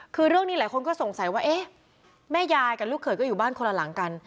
คือเรื่องนี้หลายคนก็สงสัยว่าเอ๊ะแม่ยายกับลูกเขยก็อยู่บ้านคนละหลังกัน